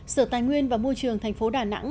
sở tài nguyên và môi trường thành phố đà nẵng